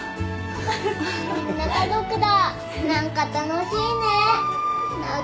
みんな家族だ何か楽しいね和むね。